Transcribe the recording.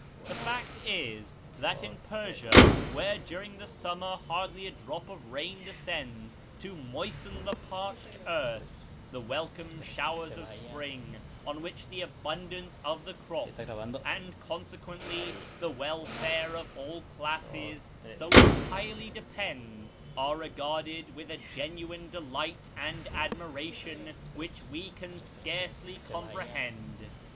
The fact is, that in Persia, where during the summer hardly a drop of rain descends to moisten the parched earth, the welcome showers of spring, on which the abundance of the crops, and consequently the welfare of all classes, so entirely depends, are regarded with a genuine delight and admiration which we can scarcely comprehend.